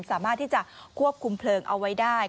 สามารถที่จะควบคุมเพลิงเอาไว้ได้